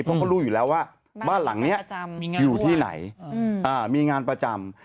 เพราะเขารู้อยู่แล้วว่าบ้านหลังนี้อยู่ที่ไหนมีงานประจำ